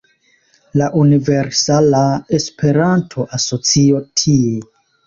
La Universala Esperanto-Asocio tie